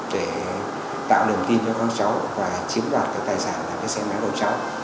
để tạo đồng tin cho các cháu và chiếm đoạt tài sản là cái xe máy của cháu